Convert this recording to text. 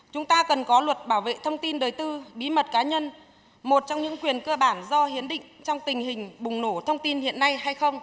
chúng ta cần có luật bảo vệ thông tin đời tư bí mật cá nhân một trong những quyền cơ bản do hiến định trong tình hình bùng nổ thông tin hiện nay hay không